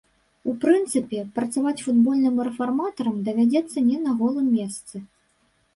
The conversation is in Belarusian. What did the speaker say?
У прынцыпе, працаваць футбольным рэфарматарам давядзецца не на голым месцы.